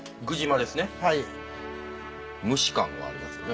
虫感がありますよね。